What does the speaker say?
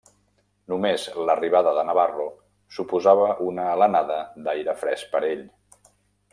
Només l'arribada de Navarro suposava una alenada d'aire fresc per ell.